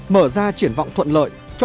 mở ra triển vọng thuận lợi